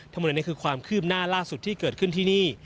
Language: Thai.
ทั้งหมดนี้คือความคืบหน้าล่าสุดที่เกิดขึ้นที่นี่